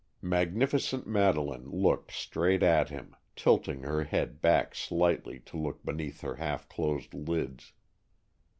Magnificent Madeleine looked straight at him, tilting her head back slightly to look beneath her half closed lids.